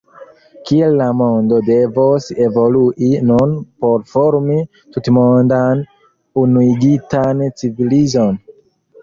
Kiel la mondo devos evolui nun por formi tutmondan, unuigitan civilizon?